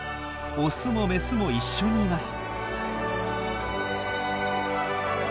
オスもメスも一緒にいます。